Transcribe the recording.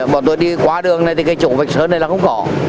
bọn tôi đi qua đường này thì cái chỗ vạch sơn này là không có